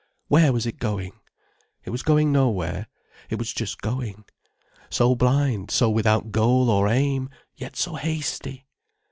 Where was it going? It was going nowhere, it was just going. So blind, so without goal or aim, yet so hasty!